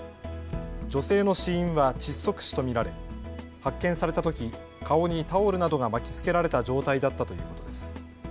女性の死因は窒息死と見られ発見されたとき顔にタオルなどが巻きつけられた状態だったということです。